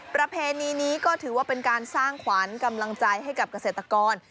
ประเพณีนี้ก็ถือว่าเป็นการสร้างขวัญกำลังใจให้กับเกษตรกร